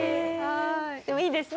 でもいいですね